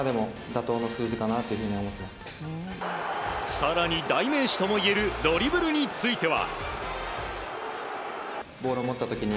更に、代名詞ともいえるドリブルについては。